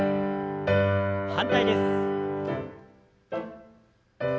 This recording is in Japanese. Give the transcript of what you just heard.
反対です。